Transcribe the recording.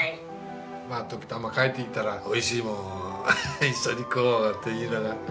まあ時たま帰ってきたらおいしいもんを一緒に食おうっていうのがね。